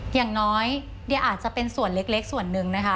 อย่างน้อยเดียอาจจะเป็นส่วนเล็กส่วนหนึ่งนะคะ